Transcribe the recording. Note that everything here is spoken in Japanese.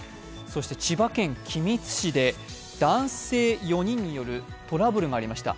そして千葉県君津市で男性４人によるトラブルがありました。